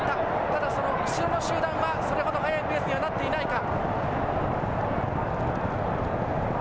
ただ、その後ろの集団はそれほど速いペースにはなっていないか。